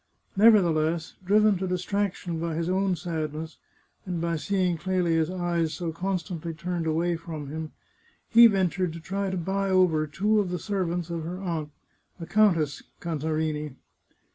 Nevertheless, driven to distraction by his own sadness, and by seeing Clelia's eyes so constantly turned away from him, he ventured to try to buy over two of the ser vants of her aunt, the Countess Cantarini.